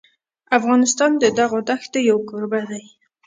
افغانستان د دغو دښتو یو کوربه دی.